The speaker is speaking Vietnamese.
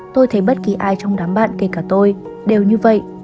tôi thấy bất kỳ ai trong đám bạn kể cả tôi đều như vậy